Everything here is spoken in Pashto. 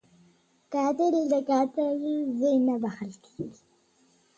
قاتل د قاتل زوی نه بخښل کېږي